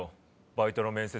バイトの面接。